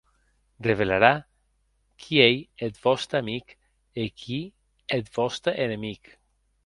Revelarà qui ei eth vòste amic e qui eth vòste enemic.